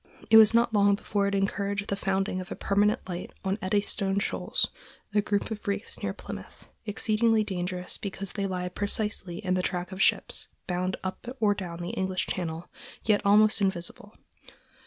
It was not long before it encouraged the founding of a permanent light on Eddystone Shoals, a group of reefs near Plymouth, exceedingly dangerous because they lie precisely in the track of ships bound up or down the English Channel, yet almost invisible.